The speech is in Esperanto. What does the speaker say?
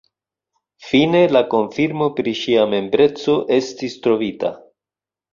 Fine la konfirmo pri ŝia membreco estis trovita.